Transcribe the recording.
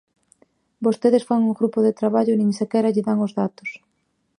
Vostedes fan un grupo de traballo e nin sequera lle dan os datos.